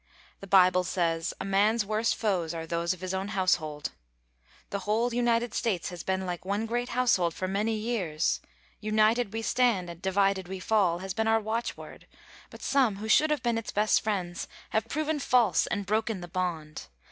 The Bible says, "A man's worst foes are those of his own household." The whole United States has been like one great household for many years. "United we stand, divided we fall!" has been our watchword, but some who should have been its best friends have proven false and broken the bond.